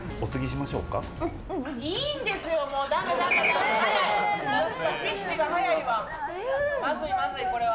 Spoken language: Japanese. まずいまずい、これは。